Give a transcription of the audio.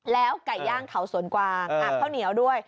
แล้วไก่ย่างเขาสวนกวางอาบข้าวเหนียวด้วย